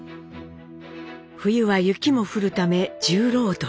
冬は雪も降るため重労働。